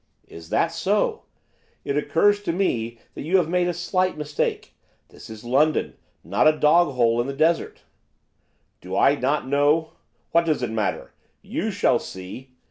'Is that so? It occurs to me that you have made a slight mistake, this is London, not a dog hole in the desert.' 'Do I not know? what does it matter? you shall see!